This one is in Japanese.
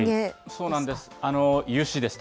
そうなんです。